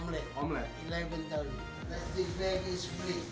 dan bagian ini gratis